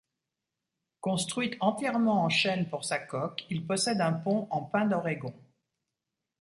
Construit entièrement en chêne pour sa coque, il possède un pont en pin d'Oregon.